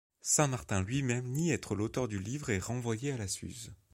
Saint-Martin lui-même nié être l'auteur du livre et renvoyé à la Suze.